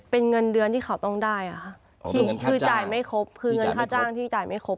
เป็นเงินเดือนที่เขาต้องได้ค่ะคือจ่ายไม่ครบคือเงินค่าจ้างที่จ่ายไม่ครบ